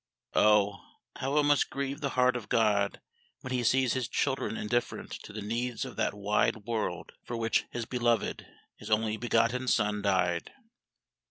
Oh, how it must grieve the heart of GOD when He sees His children indifferent to the needs of that wide world for which His beloved, His only begotten SON died!